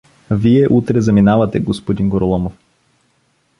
— Вие утре заминавате, г-н Гороломов.